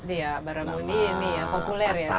iya baramundi ini ya populer ya sekarang